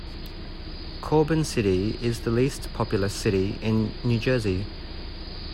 Corbin City is the least-populous city in New Jersey.